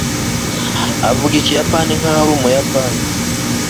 avuga ikiyapani nkaho ari umuyapani